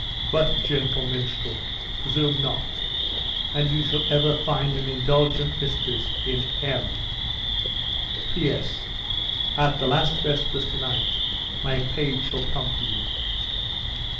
But, gentle minstrel, presume not, and you shall ever find an indulgent mistress in M "P.S. At the last vespers to night, my page shall come for you."